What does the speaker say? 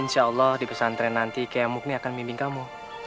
insya allah di pesantren nanti kayak mukni akan mimbing kamu